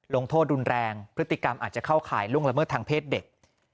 ลงโทษรุนแรงพฤติกรรมอาจจะเข้าข่ายล่วงละเมิดทางเพศเด็ก